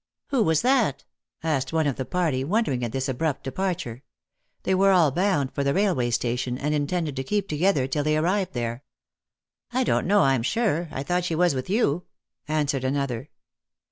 " Who was that ?" asked one of the party, wondering at this abrupt departure. They were all bound for the railway station, and intended to keep together till they arrived there. " I don't know, I'm sure. I thought she was with you," an swered another.